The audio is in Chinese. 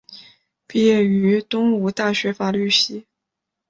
毕业于东吴大学法律系。